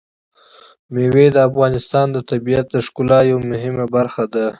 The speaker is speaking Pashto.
مېوې د افغانستان د طبیعت د ښکلا یوه مهمه برخه ده.